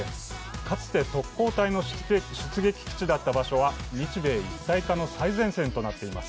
かつて特攻隊の出撃基地だった場所は日米一体化の最前線となっています。